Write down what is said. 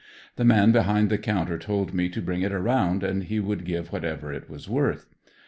The man behind the counter told me to bring it around and he would give whatever it was worth.